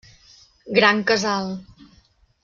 Gran Casal.